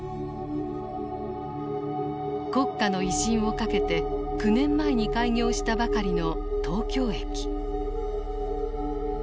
国家の威信を懸けて９年前に開業したばかりの東京駅。